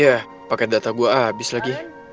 ya paket data gue abis lagi